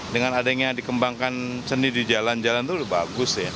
dengan adanya dikembangkan seni di jalan jalan itu bagus ya